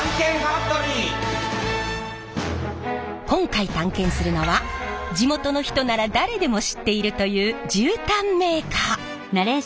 今回探検するのは地元の人なら誰でも知っているという絨毯メーカー。